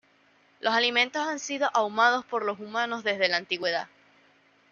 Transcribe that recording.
Los alimentos han sido ahumados por los humanos desde la antigüedad.